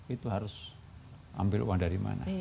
itu harus ambil uang dari mana